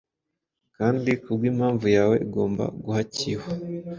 Kandi kubwimpamvu yawe igomba guhakihwa,